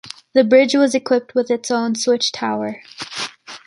The bridge was equipped with its own switch tower.